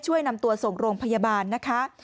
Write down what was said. ช่วยนำตัวส่งโรงพยาบาลนะคะ